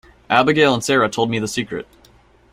Abigail and Sara told me the secret.